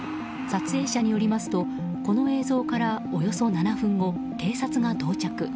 撮影者によりますとこの映像からおよそ７分後警察が到着。